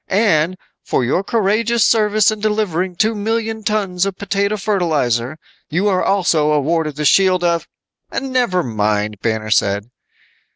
And for your courageous service in delivering two million tons of potato fertilizer, you are also awarded the shield of " "Never mind," Banner said.